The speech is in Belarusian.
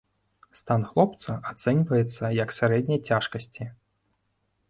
Стан хлопца ацэньваецца, як сярэдняй цяжкасці.